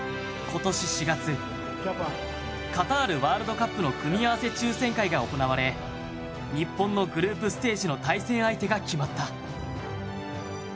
今年４月カタールワールドカップの組み合わせ抽選会が行われ日本のグループステージの対戦相手が決まった。